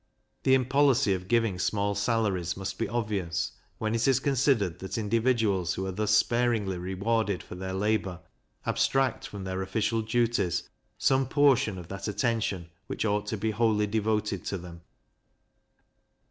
The impolicy of giving small salaries must be obvious, when it is considered that individuals who are thus sparingly rewarded for their labour, abstract from their official duties some portion of that attention which ought to be wholly devoted to them.